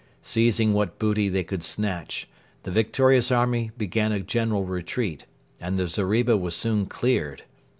Seizing what booty they could snatch, the victorious army began a general retreat, and the zeriba was soon cleared.